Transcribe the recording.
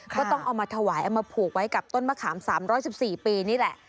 ก็ต้องเอามาถวายเอามาผูกไว้กับต้นมะขาม๓๑๔ปีนี่แหละ